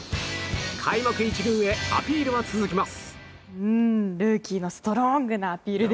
開幕１軍へアピールは続きます。